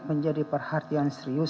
menjadi perhatian serius